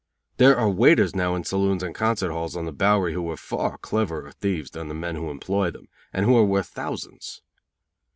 There are waiters now in saloons and concert halls on the bowery who were far cleverer thieves than the men who employ them, and who are worth thousands.